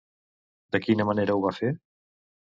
De quina manera ho va fer?